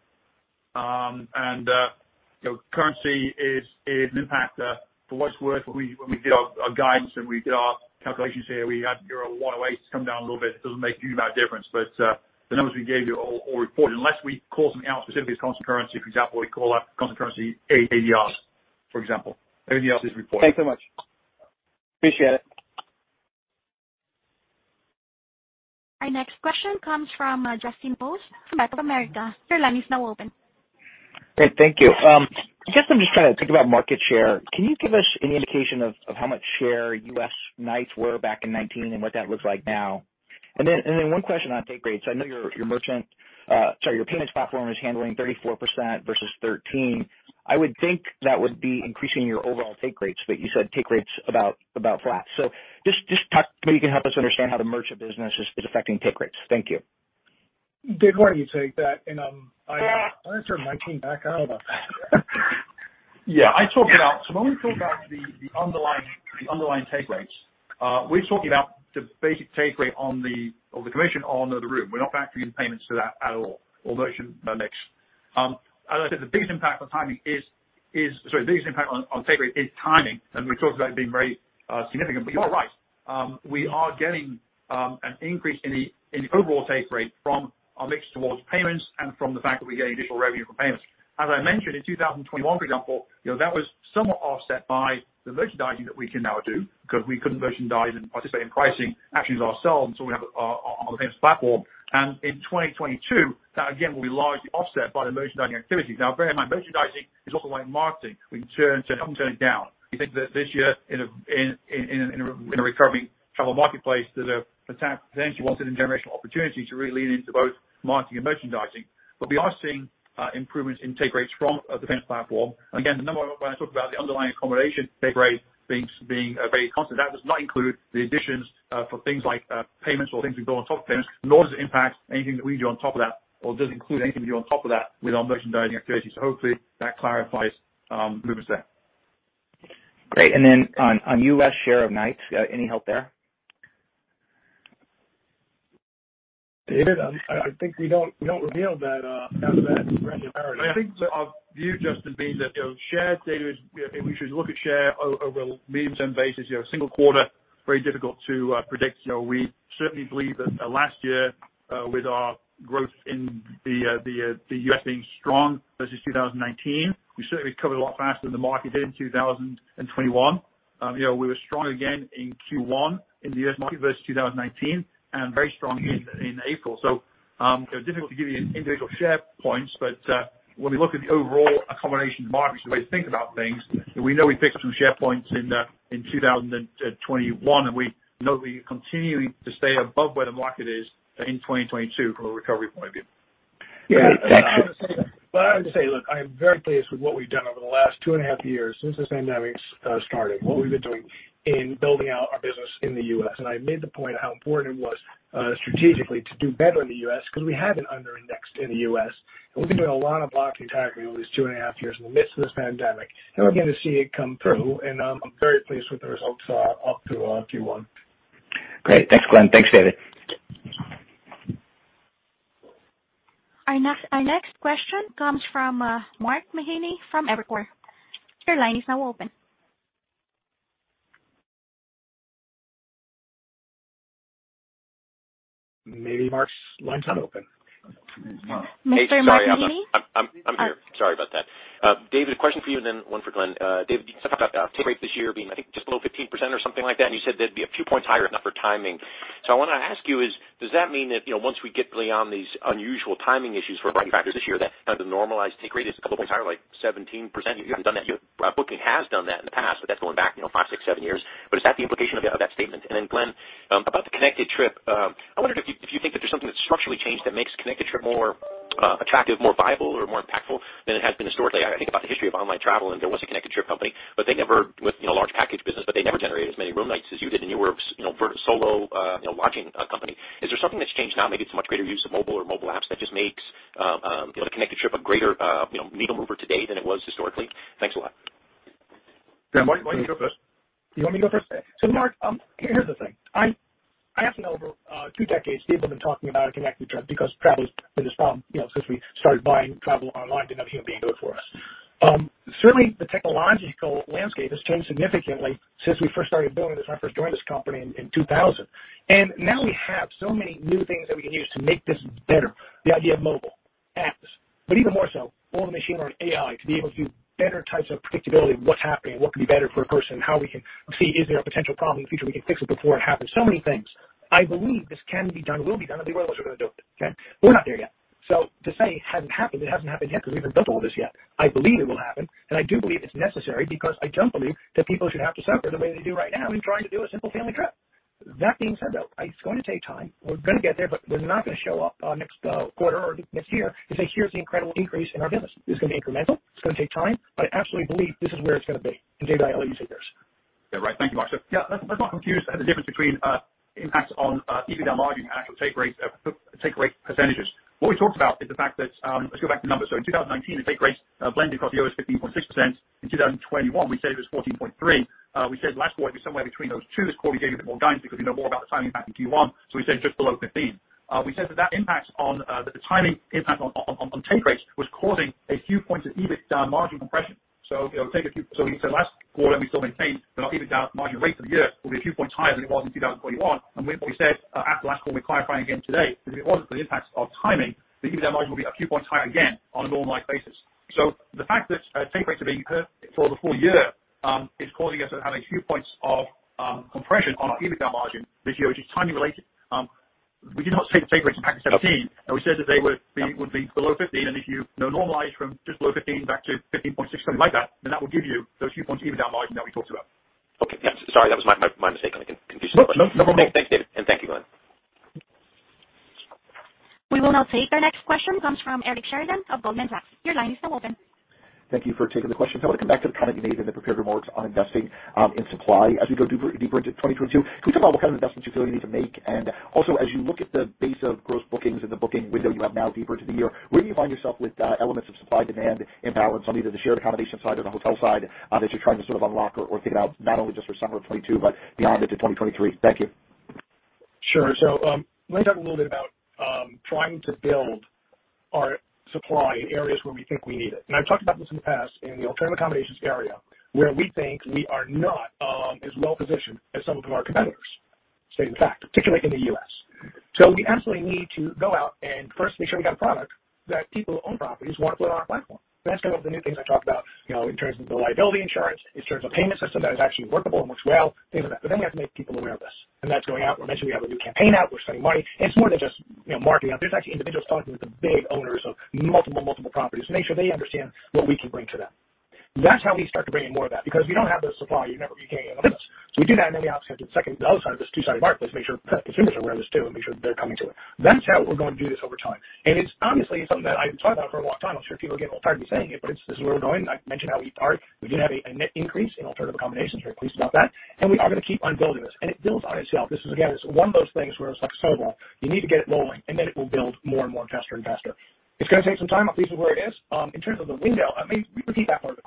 You know, currency is an impact. For what it's worth, when we did our guidance and we did our calculations here, we had euro 1.08 come down a little bit. It doesn't make a huge amount of difference, but the numbers we gave you all are reported. Unless we call something out specifically as constant currency, for example, we call out constant currency ADRs, for example. Everything else is reported.
Thanks so much. Appreciate it.
Our next question comes from Justin Post from Bank of America. Your line is now open.
Great. Thank you. I guess I'm just trying to think about market share. Can you give us any indication of how much share U.S. nights were back in 2019 and what that looks like now? One question on take rates. I know your payments platform is handling 34% versus 13%. I would think that would be increasing your overall take rates, but you said take rates about flat. Just talk to maybe you can help us understand how the merchant business is affecting take rates. Thank you.
Dave, why don't you take that? I wanna turn my team back on. How about that?
Yeah, I talked about. When we talk about the underlying take rates, we're talking about the basic take rate on the commission on the room. We're not factoring payments to that at all, or merchant mix. As I said, the biggest impact on take rate is timing, and we've talked about it being very significant. You are right. We are getting an increase in the overall take rate from our mix towards payments and from the fact that we get additional revenue from payments. As I mentioned in 2021, for example, you know, that was somewhat offset by the merchandising that we can now do, because we couldn't merchandise and participate in pricing actions ourselves, until we have our payments platform. In 2022, that again will be largely offset by the merchandising activities. Now bear in mind, merchandising is also why in marketing we can turn something up and turn it down. We think that this year in a recovering travel marketplace, there's a potentially once in a generational opportunity to really lean into both marketing and merchandising. We are seeing improvements in take rates from the payments platform. Again, the number, when I talk about the underlying accommodation take rate being very constant, that does not include the additions for things like payments or things we do on top of payments, nor does it impact anything that we do on top of that or does include anything we do on top of that with our merchandising activity. Hopefully that clarifies movement there.
Great. On U.S. share of nights, any help there?
David, I think we don't reveal that, as a matter of competitive priority.
I think our view, Justin, being that, you know, share data is, you know, I think we should look at share over a medium-term basis. You know, a single quarter, very difficult to predict. You know, we certainly believe that last year, with our growth in the U.S. being strong versus 2019, we certainly recovered a lot faster than the market did in 2021. You know, we were strong again in Q1 in the U.S. market versus 2019, and very strong in April. You know, difficult to give you individual share points, but when we look at the overall accommodation market, which is the way to think about things, we know we fixed some share points in 2021, and we know we are continuing to stay above where the market is in 2022 from a recovery point of view.
Yeah. Thank you.
I would say, look, I am very pleased with what we've done over the last two and a half years since this pandemic started, what we've been doing in building out our business in the U.S. I made the point how important it was strategically to do better in the U.S. because we had been under-indexed in the U.S. We've been doing a lot of market activity over these two and a half years in the midst of this pandemic. We're beginning to see it come through, and I'm very pleased with the results up to Q1.
Great. Thanks, Glenn. Thanks, David.
Our next question comes from Mark Mahaney from Evercore. Your line is now open.
Maybe Mark's line's not open.
Mr. Mark Mahaney?
Hey, sorry about that. I'm here. Sorry about that. David, a question for you and then one for Glenn. David, you talked about take rates this year being I think just below 15% or something like that, and you said they'd be a few points higher if not for timing. I wanna ask you is, does that mean that, you know, once we get beyond these unusual timing issues for a variety of factors this year, that kind of the normalized take rate is a couple points higher, like 17%? You haven't done that. Booking has done that in the past, but that's going back, you know, five, six, seven years. Is that the implication of that statement? Then Glenn, about the Connected Trip, I wondered if you think that there's something that's structurally changed that makes Connected Trip more attractive, more viable or more impactful than it has been historically. I think about the history of online travel, and there was a Connected Trip company, but they never went with, you know, large package business, but they never generated as many room nights as you did, and you were, you know, very solo, you know, lodging company. Is there something that's changed now, maybe it's much greater use of mobile or mobile apps that just makes, you know, the Connected Trip a greater, you know, needle mover today than it was historically? Thanks a lot.
Yeah. Mark, why don't you go first?
You want me to go first? Mark, here's the thing. I have to know, over two decades, people have been talking about a Connected Trip because travel has been this problem, you know, since we started buying travel online and not a human being booked for us. Certainly the technological landscape has changed significantly since we first started building this, when I first joined this company in 2000. Now we have so many new things that we can use to make this better. The idea of mobile apps. Even more so, all the machine learning AI to be able to do better types of predictability of what's happening, what could be better for a person, how we can see is there a potential problem in the future, we can fix it before it happens. So many things. I believe this can be done, will be done, and we're the ones who are gonna do it, okay? We're not there yet. To say it hasn't happened, it hasn't happened yet because we haven't built all this yet. I believe it will happen, and I do believe it's necessary because I don't believe that people should have to suffer the way they do right now in trying to do a simple family trip. That being said, though, it's going to take time. We're gonna get there, but we're not gonna show up, next quarter or next year and say, "Here's the incredible increase in our business." It's gonna be incremental, it's gonna take time, but I absolutely believe this is where it's gonna be in day-by-day user years.
Yeah, right. Thank you, Mark. Yeah, let's not confuse the difference between impact on EBITDA margin and actual take rates, take rate percentages. What we talked about is the fact that. Let's go back to the numbers. In 2019 the take rates blended across the year was 15.6%. In 2021 we said it was 14.3%. We said last quarter it'd be somewhere between those two. This quarter we gave you a bit more guidance because we know more about the timing impact in Q1, so we said just below 15%. We said that the timing impact on take rates was causing a few points of EBITDA margin compression. You know, take a few. We said last quarter and we still maintain that our EBITDA margin rate for the year will be a few points higher than it was in 2021. We said after last quarter, we're clarifying again today, that if it wasn't for the impact of timing, the EBITDA margin will be a few points higher again on a normalized basis. The fact that take rates are being hurt for the full year is causing us to have a few points of compression on our EBITDA margin this year, which is timing related. We did not take rates into account in 2017, and we said that they would be below 15%. If you know, normalize from just below 15% back to 15.6%, something like that, then that will give you those few points of EBITDA margin that we talked about.
Okay. Yeah. Sorry, that was my mistake on the confusion.
No problem.
Thanks. Thanks, David. Thank you, Glenn.
We will now take our next question. Comes from Eric Sheridan of Goldman Sachs. Your line is now open.
Thank you for taking the question. I wanna come back to the comment you made in the prepared remarks on investing in supply. As we go deeper into 2022, can you talk about what kind of investments you feel you need to make? Also, as you look at the base of gross bookings and the booking window you have now deeper into the year, where do you find yourself with elements of supply-demand imbalance on either the shared accommodation side or the hotel side that you're trying to sort of unlock or think about, not only just for summer of 2022, but beyond into 2023? Thank you.
Sure. Let me talk a little bit about trying to build our supply in areas where we think we need it. I've talked about this in the past in the alternative accommodations area, where we think we are not as well-positioned as some of our competitors, to state the fact, particularly in the U.S. We absolutely need to go out and first make sure we got a product that people who own properties wanna put on our platform. That's kind of the new things I talked about, you know, in terms of the liability insurance, in terms of a payment system that is actually workable and works well, things like that. You have to make people aware of this, and that's going out. We mentioned we have a new campaign out. We're spending money. It's more than just, you know, marketing. There's actually individuals talking with the big owners of multiple properties to make sure they understand what we can bring to them. That's how we start to bring in more of that, because if you don't have the supply, you're never gonna be gaining any business. We do that, and then the obvious, the second, the other side of this two-sided marketplace, make sure consumers are aware of this too, and make sure they're coming to it. That's how we're going to do this over time. It's honestly something that I've talked about for a long time. I'm sure people are getting a little tired of me saying it, but it's, this is where we're going. I mentioned how we did have a net increase in alternative accommodations. We're pleased about that. We are gonna keep on building this. It builds on itself. This is, again, one of those things where it's like a snowball. You need to get it rolling, and then it will build more and more and faster and faster. It's gonna take some time. I'm pleased with where it is. In terms of the window, I mean, repeat that part of the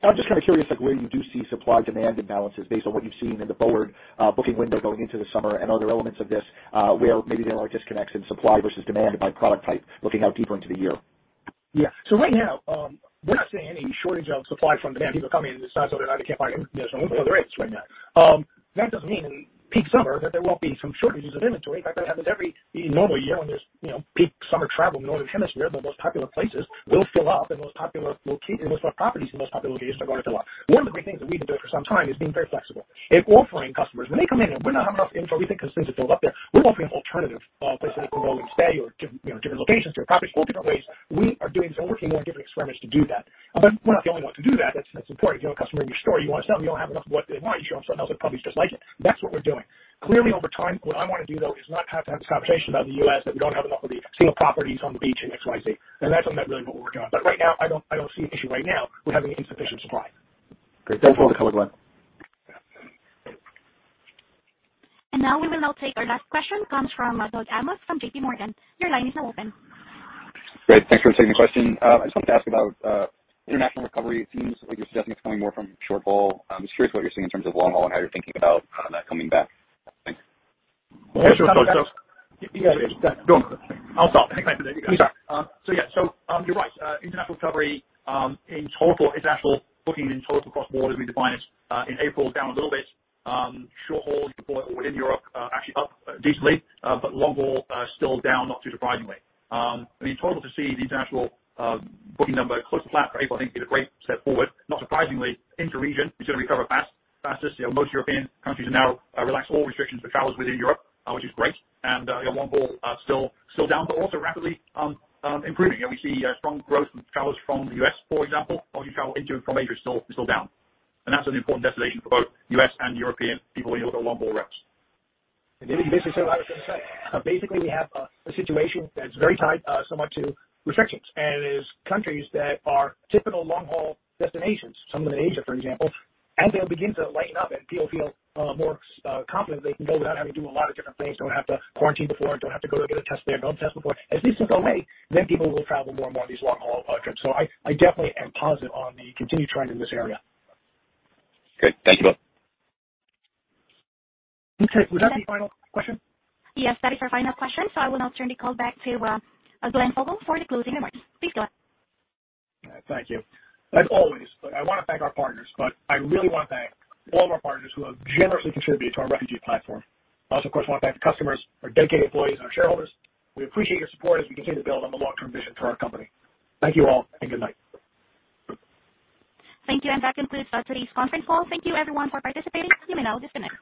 question.
I'm just kinda curious, like, where you do see supply-demand imbalances based on what you've seen in the forward booking window going into the summer and other elements of this, where maybe there are disconnects in supply versus demand by product type looking out deeper into the year.
Yeah. Right now, we're not seeing any shortage of supply from demand, people coming in. It's not so that they can't find any additional rates right now. That doesn't mean in peak summer that there won't be some shortages of inventory. In fact, that happens every normal year when there's, you know, peak summer travel in the Northern Hemisphere, where the most popular places will fill up and the most popular properties in those popular locations are gonna fill up. One of the great things that we've been doing for some time is being very flexible in offering customers, when they come in and we're not having enough inventory, we think consumers are still up there, we're offering alternative places they can go and stay or different, you know, different locations, different properties, all different ways. We are doing this and working on different experiments to do that. We're not the only ones who do that. That's important. If you have a customer in your store you wanna sell, but you don't have enough of what they want, you show them something else that probably is just like it. That's what we're doing. Clearly over time, what I wanna do, though, is not have to have this conversation about the U.S., that we don't have enough of the single properties on the beach and X, Y, Z. That's not really what we're working on. Right now, I don't see an issue right now with having insufficient supply.
Great. Thanks for all the color, Glenn.
We will now take our last question, comes from Doug Anmuth from JPMorgan. Your line is now open.
Great. Thanks for taking the question. I just wanted to ask about international recovery themes. Like you're suggesting it's coming more from short haul. Just curious what you're seeing in terms of long haul and how you're thinking about that coming back. Thanks.
Yeah, sure.
Yeah.
Go on. I'll start. Sorry. You're right. International recovery in total for international booking and in total for cross-border as we define it in April down a little bit. Short haul within Europe actually up decently, but long haul still down, not too surprisingly. I mean, in total to see the international booking number close to flat for April I think is a great step forward. Not surprisingly, inter-region is gonna recover fast, fastest. You know, most European countries have now relaxed all restrictions for travelers within Europe, which is great. Long haul still down, but also rapidly improving. You know, we see strong growth in travelers from the U.S., for example. Obviously travel into and from Asia is still down. That's an important destination for both U.S. and European people when you look at long haul routes.
Maybe basically similar to what you said. Basically, we have a situation that's very tied somewhat to restrictions. It is countries that are typical long haul destinations, some of them in Asia, for example, as they'll begin to lighten up and people feel more confident they can go without having to do a lot of different things, don't have to quarantine before, don't have to go to get a test there, don't test before, as these things go away, then people will travel more and more on these long haul trips. I definitely am positive on the continued trend in this area.
Great. Thank you both.
Okay. Was that the final question?
Yes, that is our final question, so I will now turn the call back to Glenn Fogel for the closing remarks. Please go ahead.
All right. Thank you. As always, look, I wanna thank our partners, but I really wanna thank all of our partners who have generously contributed to our refugee platform. Also, of course, wanna thank the customers, our dedicated employees, and our shareholders. We appreciate your support as we continue to build on the long-term vision for our company. Thank you all, and good night.
Thank you, and that concludes today's conference call. Thank you everyone for participating. You may now disconnect.